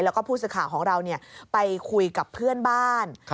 แล้วก็ผู้สื่อข่าวของเราไปคุยกับเพื่อนบ้าน